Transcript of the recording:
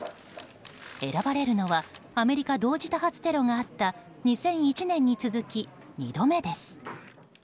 選ばれるのはアメリカ同時多発テロがあった２００１年に続き２度目です。